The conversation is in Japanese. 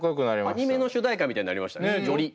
アニメの主題歌みたいになりましたねより。